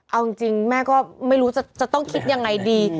เอาจริงแม่ก็ไม่รู้จะต้องคิดยังไงดี